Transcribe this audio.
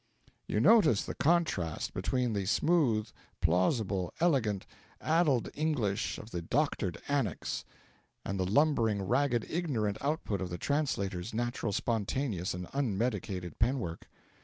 You notice the contrast between the smooth, plausible, elegant, addled English of the doctored Annex and the lumbering, ragged, ignorant output of the translator's natural, spontaneous, and unmedicated penwork.